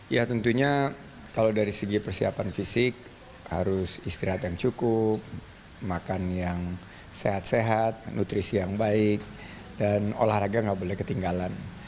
ya tentunya kalau dari segi persiapan fisik harus istirahat yang cukup makan yang sehat sehat nutrisi yang baik dan olahraga nggak boleh ketinggalan